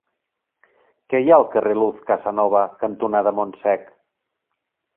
Què hi ha al carrer Luz Casanova cantonada Montsec?